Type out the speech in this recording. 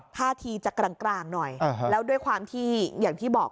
ท่าทีจะกลางหน่อยแล้วด้วยความที่อย่างที่บอก